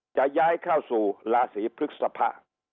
จะย้ายเข้าสู่ราศีพฤษภา